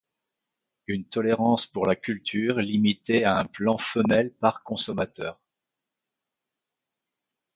Une tolérance pour la culture limitée à un plant femelle par consommateur.